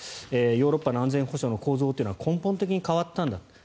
ヨーロッパの安全保障の構造は根本的に変わったんだと。